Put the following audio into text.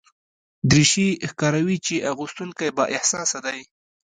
دریشي ښکاروي چې اغوستونکی بااحساسه دی.